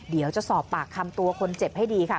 เดี๋ยวจะสอบปากคำตัวคนเจ็บให้ดีค่ะ